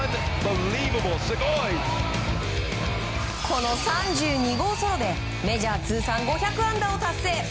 この３２号ソロでメジャー通算５００安打を達成。